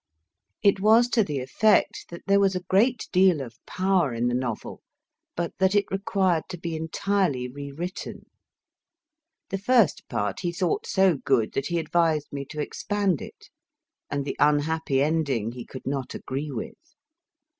It was to the effect that there was a great deal of power in the novel, but that it required to be entirely rewritten. The first part he thought so good that he advised me to expand it, and the unhappy ending he could not agree with.